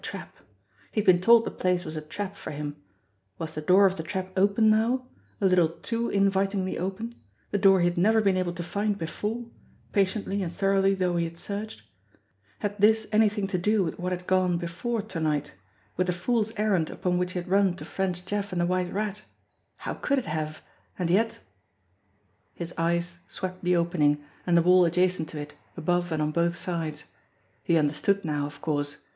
A trap. He had been told the place was a trap for him. Was the door of the trap open now a little too invitingly openthe door he had never been able to find before, patiently and thoroughly though he had searched ? Had this anything to do with what had gone before to night, with the fool's errand upon which he had THE LAIR 281 run to French Jeff and The White Rat ? How could it have ? And yet His eyes swept the opening, and the wall adjacent to it, above and on both sides. He understood now, of course.